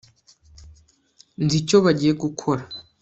nzi icyo bagiye gukora